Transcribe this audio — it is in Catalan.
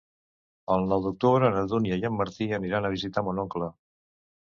El nou d'octubre na Dúnia i en Martí aniran a visitar mon oncle.